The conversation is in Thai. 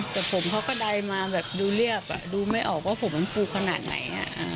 แต่ผมเขาก็ใดมาแบบดูเรียบดูไม่ออกว่าผมมันฟูขนาดไหน